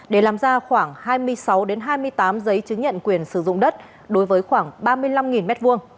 để làm ra khoảng hai mươi sáu hai mươi tám giấy chứng nhận quyền sử dụng đất đối với khoảng ba mươi năm m hai